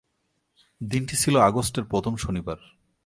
দিনটি ছিল আগস্টের প্রথম শনিবার।